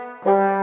nih bolok ke dalam